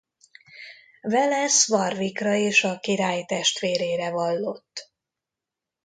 Welles Warwickra és a király testvérére vallott.